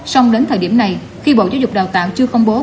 xong đến thời điểm này khi bộ giáo dục đào tạo chưa công bố